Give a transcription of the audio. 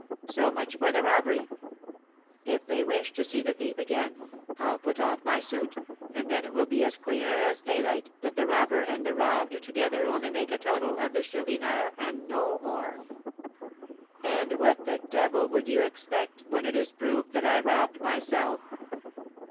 So much for the robbery. If they wish to see the thief again, I'll put off my suit, and then it will be as clear as daylight that the robber and the robbed together only make a total of the Chourineur and no more. And what the devil would you expect when it is proved that I robbed myself?"